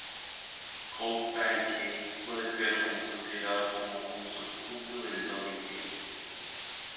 Cult party kei puede ser considerado como un subconjunto del dolly kei.